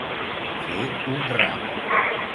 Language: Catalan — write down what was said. Fer un ram.